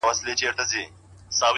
دا ستاد كلـي كـاڼـى زمـا دوا ســـوه،